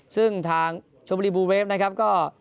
ซึ่งทางชมบุรีบูเวฟนะครับก็